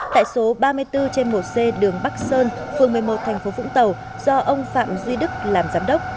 tại số ba mươi bốn trên một c đường bắc sơn phường một mươi một thành phố vũng tàu do ông phạm duy đức làm giám đốc